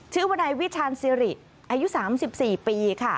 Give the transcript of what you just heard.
ชื่อวันยวิทยาลเซีริตอายุ๓๔ปีค่ะ